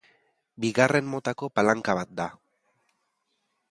Bigarren motako palanka bat da.